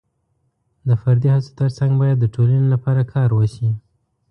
د فردي هڅو ترڅنګ باید د ټولنې لپاره کار وشي.